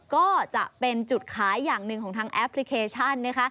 ก็จะเป็นจุดขายอย่างหนึ่งของทางแอปพลิเคชัน